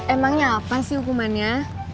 emangnya apa sih hukumannya